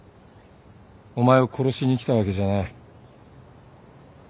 お前を殺しに来たわけじゃない。